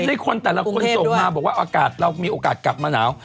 ในคนแต่ละคนส่งมาบอกว่าอากาศเรามีโอกาสกลับมาหนาว